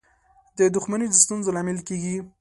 • دښمني د ستونزو لامل کېږي.